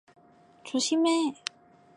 조심해!